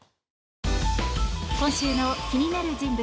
今週の気になる人物